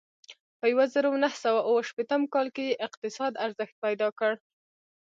په یوه زرو نهه سوه اوه شپېتم کال کې یې اقتصاد ارزښت پیدا کړ.